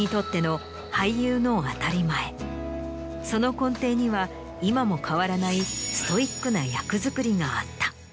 その根底には今も変わらないストイックな役作りがあった。